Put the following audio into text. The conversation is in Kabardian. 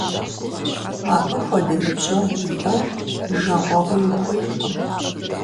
Абы хуэдэ ныбжьэгъу уиӏэу жэгъуэгъуи ухуейкъым.